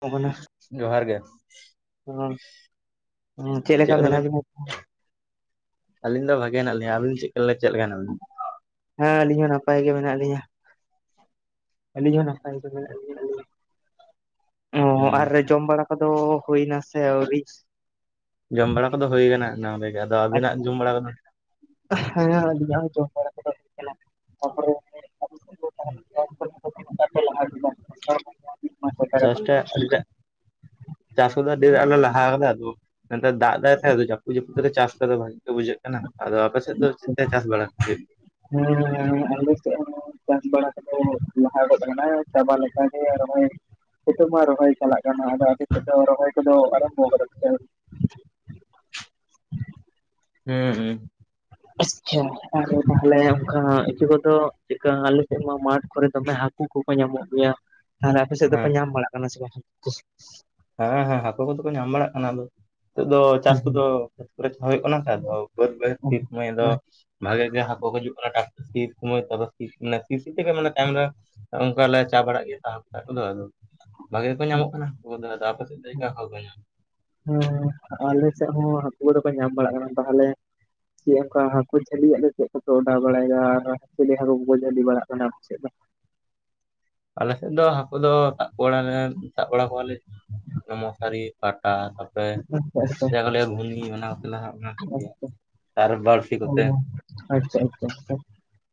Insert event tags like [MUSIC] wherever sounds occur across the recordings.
ᱠᱟᱱᱟ ᱡᱚᱦᱟᱨ ᱜᱮ᱾ ᱪᱮᱫᱸ ᱪᱮᱫ ᱞᱮᱠᱟ ᱢᱮᱱᱟᱜ ᱵᱤᱱᱟ ᱛᱷᱟᱞᱮ? ᱟᱞᱤᱧ ᱫᱚ ᱵᱷᱟᱜᱮ ᱦᱱᱟᱜ ᱞᱤᱧᱟ ᱟᱵᱤᱱ ᱪᱮᱫ ᱞᱮ ᱪᱮᱫ ᱞᱮᱠᱟᱱ ᱢᱮᱱᱟ ᱵᱤᱱᱟ? ᱦᱮ ᱟᱹᱞᱤᱧ ᱦᱚᱸ ᱱᱟᱯᱟᱭ ᱜᱮ ᱢᱮᱱᱟᱜ ᱞᱤᱧᱟ᱾ ᱟᱹᱞᱤᱧ ᱦᱚ ᱱᱟᱯᱟᱭ ᱜᱮ ᱢᱮᱱᱟᱜ ᱠᱩᱣᱟ ᱦᱩᱸ ᱟᱨ ᱡᱚᱢ ᱵᱟᱲᱟ ᱠᱚ ᱫᱚ ᱦᱩᱭ ᱱᱟᱥᱮ ᱟᱣᱨᱤ? ᱡᱚᱢ ᱵᱟᱲᱟ ᱠᱚᱫᱚ ᱦᱩᱭ ᱟᱠᱟᱱᱟ ᱮᱱᱟᱝ ᱨᱮᱜᱮᱡ ᱟᱫᱚ ᱟᱵᱤᱱᱟᱜ ᱡᱚᱢ ᱵᱟᱲᱟ ᱠᱚ ᱦᱮᱸᱡᱚᱢ ᱵᱟᱲᱟᱭ ᱠᱚ ᱫᱚ ᱦᱩᱭ ᱟᱠᱱᱟ᱾ ᱛᱟᱨ ᱯᱚᱨᱮ [INAUDIBLE] ᱪᱮᱥᱴᱟᱭᱟ ᱟᱹᱰᱤ ᱜᱟᱡ ᱪᱟᱥ ᱠᱚᱫᱚ ᱰᱷᱮᱨ ᱟᱞᱚ ᱞᱟᱦᱟᱣ ᱠᱟᱫᱟᱭ ᱱᱤᱛᱚᱜ ᱫᱟᱜ ᱫᱟᱭ ᱥᱮ ᱟᱹᱰᱤ ᱡᱟᱹᱥᱛᱤᱼᱼ ᱠᱚᱫᱚ ᱪᱟᱥ ᱠᱚᱫᱚ ᱵᱷᱟᱜᱤ ᱠᱚ ᱵᱩᱡᱷᱟᱹᱜ ᱠᱟᱱᱟ ᱟᱫᱚ ᱟᱯᱮᱥᱮᱫ ᱫᱚ ᱪᱮᱫᱛᱮ ᱪᱟᱥ ᱵᱟᱲᱟ ᱦᱩᱭᱩᱜ? ᱦᱩᱸ ᱟᱞᱮ ᱥᱮᱫ ᱦᱚᱸ ᱪᱟᱥ ᱵᱟᱲᱟ ᱠᱟᱛᱮ ᱨᱮᱦᱚᱸ ᱞᱟᱦᱟ ᱠᱟᱱᱟ ᱪᱟᱵᱟ ᱞᱮᱠᱟ ᱜᱮ ᱱᱤᱛᱚᱜ ᱢᱟ ᱨᱚᱦᱚᱭ ᱪᱟᱞᱟᱜ ᱟᱨ ᱱᱚᱜ-ᱚᱭ ᱟᱫᱚ ᱟᱯᱮ ᱥᱮᱫ ᱫᱚ ᱨᱚᱦᱚᱭ ᱠᱚᱫᱚ ᱟᱨᱚᱢᱵᱷᱚ ᱠᱟᱫᱟ ᱯᱮᱼᱼ ᱦᱩᱸ ᱦᱩᱸ ᱟᱪᱪᱷᱟ ᱟᱨ ᱛᱟᱦᱚᱞᱮ ᱚᱱᱠᱟ ᱤᱭᱟᱹ ᱠᱚᱫᱚ᱾ ᱪᱮᱜ ᱞᱮᱠᱟ ᱟᱞᱮ ᱥᱮᱫ ᱢᱟ ᱢᱟᱴ ᱠᱚᱨᱮ ᱫᱚᱢᱮ ᱦᱟᱹᱠᱩ ᱠᱚᱠᱚ ᱧᱟᱢᱚᱜ ᱜᱮᱭᱟ᱾ ᱛᱟᱦᱚᱞᱮ ᱟᱯᱮ ᱥᱮᱫ ᱫᱚᱠᱚ ᱦᱮᱸ ᱧᱟᱢ ᱵᱟᱲᱟᱜ ᱠᱟᱱᱟ ᱥᱮ ᱵᱟᱝ? ᱦᱮᱸ ᱦᱮᱸ ᱦᱮᱸ ᱦᱟᱹᱠᱩ ᱠᱚᱫᱚ ᱠᱚ ᱧᱟᱢ ᱵᱟᱲᱟᱜ ᱠᱟᱱᱟ ᱟᱫᱚᱼᱼ ᱱᱤᱛᱚᱜ ᱫᱚ ᱪᱟᱥ ᱦᱮᱸ ᱠᱚᱫᱚ ᱠᱷᱮᱛ ᱠᱚᱨᱮ ᱦᱩᱭᱩᱜ ᱠᱟᱱᱟ ᱥᱮ ᱟᱫᱚ ᱵᱟᱹᱫᱽ ᱵᱟᱹᱭᱦᱟᱹᱲ ᱥᱤ ᱥᱚᱢᱚᱭ ᱫᱚ᱾ ᱵᱷᱟᱜᱮ ᱜᱮ ᱦᱟᱹᱠᱩ ᱠᱚ ᱡᱩᱜ ᱠᱟᱱᱟ ᱴᱟᱠ ᱥᱤ ᱥᱚᱢᱚᱭ ᱠᱚᱨᱮ ᱛᱤᱥ ᱠᱚᱨᱮ ᱢᱟᱱᱮ ᱛᱟᱭᱚᱢ ᱨᱮ ᱚᱝᱠᱟ ᱞᱮ ᱪᱟ ᱵᱟᱲᱟᱜ ᱜᱮᱭᱟ ᱛᱟᱦᱚᱞᱮ ᱠᱷᱟᱡ ᱫᱚ ᱟᱫᱚᱼᱼ ᱵᱷᱟᱜᱮ ᱜᱮᱠᱚ ᱧᱟᱢᱚᱜ ᱠᱟᱱᱟ ᱟᱫᱚ ᱟᱯᱮ ᱥᱮᱫ ᱫᱚ ᱪᱮᱠᱟ ᱠᱚ ᱧᱟᱢᱚᱜ? ᱦᱮᱸ ᱟᱞᱮ ᱥᱮᱫ ᱦᱚᱸ ᱦᱟᱹᱠᱩ ᱠᱚᱫᱚ ᱠᱚ ᱧᱟᱢ ᱵᱟᱲᱟᱜ ᱠᱟᱱᱟ ᱛᱟᱦᱚᱞᱮᱼᱼ ᱪᱮᱫ ᱚᱱᱠᱟ ᱦᱟᱹᱠᱩ ᱡᱷᱟᱹᱞᱤᱭᱟᱜ ᱫᱚ ᱪᱮᱫ ᱠᱚᱯᱮ ᱚᱰᱟᱣ ᱵᱟᱲᱟᱭᱮᱫᱟ ᱟᱨ ᱪᱤᱞᱤ ᱦᱟᱹᱠᱩ ᱠᱚᱠᱚ ᱡᱷᱟᱹᱞᱤ ᱵᱟᱲᱟᱜ ᱠᱟᱱᱟ ᱟᱯᱮ ᱥᱮᱫ ᱫᱚ᱾ ᱟᱞᱮᱥᱮᱫ ᱫᱚ ᱦᱟᱹᱠᱩ ᱫᱚ ᱥᱟᱵ ᱠᱚ ᱵᱟᱲᱟᱞᱮ ᱥᱟᱵ ᱵᱟᱲᱟ ᱠᱚᱣᱟᱞᱮ ᱢᱚᱥᱟᱨᱤ ᱠᱟᱴᱟᱼᱼ ᱦᱚᱭ ᱟᱪᱪᱷᱟ ᱟᱪᱪᱷᱟ ᱡᱟ ᱜᱮᱞᱮ ᱠᱚ ᱞ ᱜᱷᱩᱱᱤ [UNINTELLIGIBLE] ᱠᱟᱱᱟ ᱦᱟᱸᱜ ᱠᱚᱜᱮ ᱟᱨ ᱵᱟᱨ ᱚ ᱟᱪᱪᱷᱟ ᱟᱪᱪᱷᱟ ᱟᱪᱷᱟ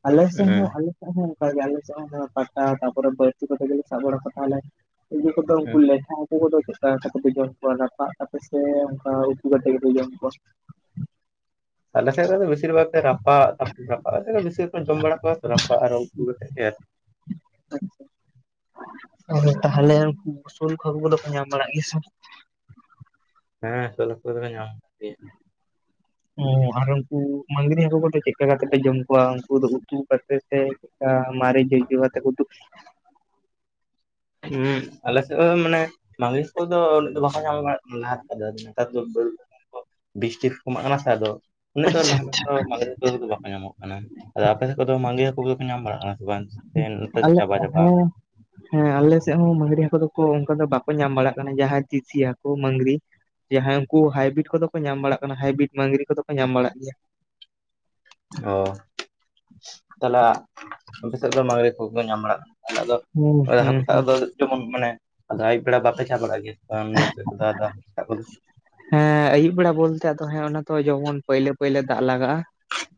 ᱟᱞᱮ ᱥᱮᱫ ᱦᱮᱸ ᱦᱚᱸ ᱟᱞᱮᱼᱼ ᱦᱚᱸ ᱚᱱᱠᱟ ᱜᱮ ᱟᱞᱮ ᱥᱮᱫ ᱦᱚᱸ ᱯᱟᱴᱟ ᱛᱟᱯᱚᱨᱮ ᱵᱟᱹᱲᱥᱤ ᱠᱚᱛᱮ ᱜᱮᱞᱮ ᱥᱟᱵ ᱵᱟᱲᱟ ᱠᱟᱜ ᱠᱚᱣᱟ ᱞᱮ᱾ ᱤᱭᱟᱹ ᱠᱚᱫᱚ ᱩᱱᱠᱩ ᱦᱮᱸ ᱞᱟᱴᱷᱟᱼᱼ ᱩᱱᱠᱩ ᱠᱚᱫᱚ ᱪᱮᱫᱠᱟ ᱠᱟᱛᱮ ᱯᱮ ᱡᱚᱢ ᱠᱚᱣᱟ ᱨᱟᱯᱟᱜ ᱠᱟᱛᱮᱜ ᱥᱮ ᱚᱱᱠᱟ ᱩᱛᱩ ᱠᱟᱛᱮᱜ ᱜᱮᱯᱮ ᱡᱚᱢ ᱠᱚᱣᱟ᱾ ᱛᱟᱦᱮ ᱫᱚ ᱵᱮᱥᱤᱨ ᱵᱷᱟᱜᱽ ᱨᱟᱯᱟᱜ ᱛᱚᱨ ᱨᱟᱯᱟᱜ ᱠᱟᱛᱮ ᱫᱚ ᱵᱮᱥᱤᱨ ᱡᱚᱢ ᱵᱟᱲᱟ ᱠᱚᱣᱟ ᱨᱟᱯᱟᱜ ᱟᱨ ᱩᱱᱠᱩ ᱠᱟᱛᱮ ᱜᱮ ᱟᱫᱚ ᱛᱟᱦᱚᱞᱮ ᱩᱱᱠᱩ ᱩᱥᱩᱞ ᱠᱷᱚᱵ [INAUDIBLE] ᱠᱚᱫᱚ ᱠᱚ ᱧᱟᱢ ᱵᱟᱲᱟᱜ ᱜᱮᱭᱟ ᱥᱮ ᱦᱮᱸ ᱟᱹᱥᱩᱞ ᱠᱚᱫᱚ ᱠᱚ ᱧᱟᱢᱚᱜ ᱜᱮᱭᱟ᱾ ᱩᱸ ᱟᱨ ᱩᱱᱠᱩ ᱢᱟᱺᱜᱽᱨᱤ ᱦᱟᱹᱠᱩ ᱠᱚᱫᱚ ᱪᱮᱫ ᱞᱮᱠᱟ ᱠᱟᱛᱮᱯᱮ ᱡᱚᱢ ᱠᱚᱣᱟ ᱩᱱᱠᱩ ᱫᱚ ᱩᱛᱩ ᱠᱟᱛᱮ ᱥᱮ ᱟ ᱢᱟᱨᱮ ᱫ ᱡ [INAUDIBLE] ᱠᱟᱛᱮ ᱠᱚ ᱦᱩᱸ ᱟᱞᱮ ᱥᱮᱫ ᱫᱚ ᱢᱟᱱᱮ ᱢᱟᱞᱤᱥ ᱠᱚᱫᱚ ᱩᱱᱟᱹᱜ ᱫᱚ ᱵᱟᱠᱚ ᱧᱟᱢ ᱞᱟᱦᱟᱜ ᱱᱮᱛᱟᱨ ᱫᱚ ᱵᱤᱥᱴᱤ ᱠᱚᱢᱟᱜ ᱠᱟᱱᱟ ᱛᱷᱚ ᱟᱫᱚ ᱩᱱᱟᱹᱜ ᱫᱚ ᱟᱪᱪᱷᱟ ᱞᱟᱦᱟ ᱞᱟᱦᱟ ᱫᱚ ᱢᱟᱺᱜᱽᱨᱤ ᱦᱟᱹᱠᱩ ᱫᱚ ᱵᱟᱠᱚ ᱧᱟᱢᱚᱜ ᱠᱟᱱᱟ ᱟᱫᱚ ᱟᱯᱮ ᱥᱮᱫ ᱫᱚ ᱢᱟᱺᱜᱽᱨᱤ ᱦᱟᱹᱠᱩ ᱠᱚ ᱫᱚᱠᱚ ᱠᱚ ᱧᱟᱢ ᱵᱟᱲᱟᱜ ᱠᱟᱱᱟ ᱥᱮ ᱵᱟᱝ᱾ ᱥᱮ ᱩᱸ ᱱᱮᱛᱟᱨ ᱫᱚ ᱟᱞᱮ ᱪᱟᱵᱟ ᱪᱟᱵᱟ ᱦᱮᱸ ᱟᱠᱟᱱᱟ ᱦᱮᱸ ᱟᱞᱮ ᱥᱮᱫ ᱦᱚᱸ ᱢᱟᱺᱜᱽᱨᱤ ᱦᱟᱹᱠᱩ ᱫᱚᱠᱚ ᱚᱱᱠᱟ ᱫᱚ ᱵᱟᱠᱚ ᱧᱟᱢ ᱵᱟᱲᱟᱜ ᱠᱟᱱᱟ ᱡᱟᱦᱟᱸ ᱪᱤᱥᱤ ᱦᱟᱹᱠᱩ ᱢᱟᱺᱜᱽᱨᱤ᱾ ᱡᱟᱦᱟᱸᱭ ᱩᱱᱠᱩ ᱦᱟᱭᱵᱨᱤᱰ ᱠᱚᱫᱚ ᱠᱚ ᱧᱟᱢ ᱵᱟᱲᱟᱜ ᱠᱟᱱᱟ ᱦᱟᱭᱵᱨᱤᱰ ᱢᱟᱝᱜᱽᱨᱤ ᱠᱚᱫᱚ ᱠᱚ ᱧᱟᱢ ᱵᱟᱲᱟᱜ ᱜᱮᱭᱟ᱾ ᱦᱚ ᱛᱟᱦᱚᱞᱮ ᱟ ᱟᱯᱮ ᱥᱮᱫ ᱫᱚ ᱢᱟᱝᱜᱽᱨᱤ ᱠᱚᱜᱮ ᱠᱚ ᱧᱟᱢ ᱵᱟᱲᱟᱜ ᱠᱟᱱᱟ᱾ ᱟᱫᱚ ᱦᱩᱸ ᱟᱞᱮ ᱫᱚ ᱦᱩᱸ ᱦᱟᱹᱠᱩ ᱥᱟᱵ ᱦᱩᱸ ᱫᱚ ᱡᱮᱢᱚᱱ ᱢᱟᱱᱮ ᱟᱫᱚ ᱟᱹᱭᱩᱵ ᱵᱮᱲᱟ ᱵᱟᱯᱮ ᱪᱟ ᱵᱟᱲᱟᱜ ᱜᱮᱭᱟ᱾ ᱜᱟᱝ ᱱᱟᱹᱭ ᱥᱮᱫ [INAUDIBLE] ᱦᱮᱸ ᱟᱹᱭᱩᱵ ᱵᱮᱲᱟ ᱵᱚᱞᱛᱮ ᱟᱫᱚ ᱦᱮᱸ ᱚᱱᱟ ᱛᱚ ᱡᱮᱢᱚᱱ ᱯᱟᱹᱭᱞᱟᱹ ᱯᱟᱹᱭᱞᱟᱹ ᱫᱟᱜ ᱞᱟᱜᱟᱜ-ᱟ᱾